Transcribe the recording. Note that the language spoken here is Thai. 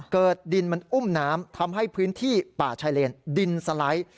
เกิดดินมันอุ้มน้ำทำให้พื้นที่ป่าชายเลนดินสไลด์